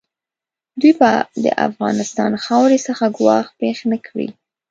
دوی به د افغانستان خاورې څخه ګواښ پېښ نه کړي.